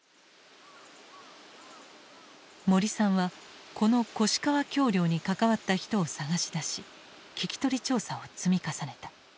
森さんはこの越川橋梁に関わった人を捜し出し聞き取り調査を積み重ねた。